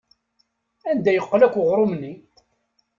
Anda yeqqel akk uɣrum-nni?